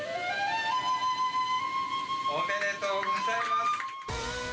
・おめでとうございます！